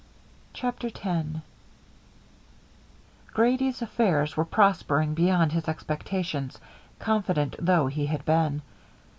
CHAPTER X Grady's affairs were prospering beyond his expectations, confident though he had been.